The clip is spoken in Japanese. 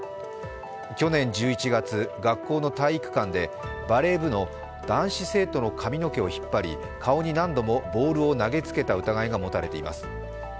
去年１１月、学校の体育館でバレー部の男子生徒の髪の毛を引っ張り、顔に何度もボールを投げつけた疑いが持たれています。